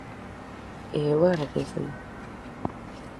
E eu agradézollo.